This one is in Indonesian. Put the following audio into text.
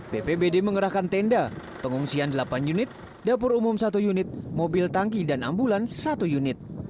bpbd mengerahkan tenda pengungsian delapan unit dapur umum satu unit mobil tangki dan ambulans satu unit